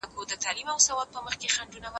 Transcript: ما پرون د ښوونځي کتابونه مطالعه وکړ..